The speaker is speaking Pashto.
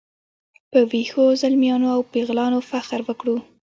په ویښو زلمیانو او پیغلانو فخر وکړو.